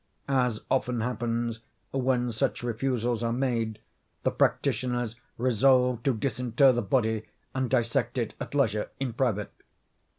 As often happens, when such refusals are made, the practitioners resolved to disinter the body and dissect it at leisure, in private.